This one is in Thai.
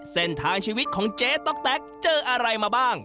เส้นทางชีวิตของเจ๊ต๊อกแต๊กเจออะไรมาบ้าง